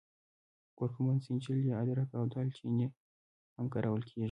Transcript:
کورکمن، زنجبیل یا ادرک او دال چیني هم کارول کېږي.